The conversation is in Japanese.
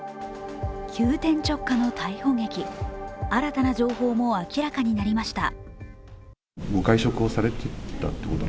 急転直下の逮捕劇、新たな情報も明らかになりました。